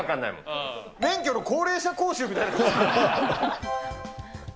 免許の高齢者講習みたいな。